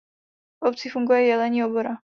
V obci funguje jelení obora.